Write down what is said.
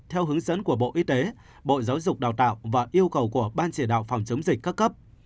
theo hướng dẫn của bộ y tế bộ giáo dục đào tạo và yêu cầu của ban chỉ đạo phòng chống dịch các cấp